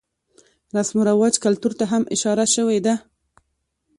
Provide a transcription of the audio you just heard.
رسم رواج ،کلتور ته هم اشاره شوې ده.